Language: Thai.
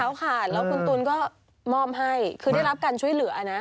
แล้วค่ะแล้วคุณตูนก็มอบให้คือได้รับการช่วยเหลือนะ